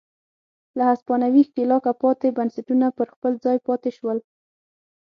له هسپانوي ښکېلاکه پاتې بنسټونه پر خپل ځای پاتې شول.